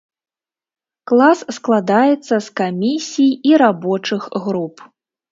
Клас складаецца з камісій і рабочых груп.